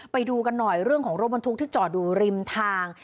ไปดูกันหน่อยเรื่องของรถบรรทุกที่จอดอยู่ริมทาง